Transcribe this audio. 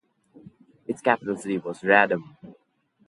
Its capital city was Radom.